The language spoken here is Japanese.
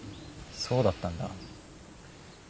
そうだったんだ。